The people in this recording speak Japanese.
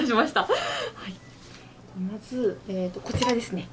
まずこちらですね。